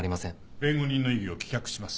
弁護人の異議を棄却します。